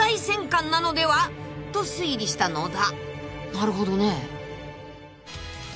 ［なるほどね］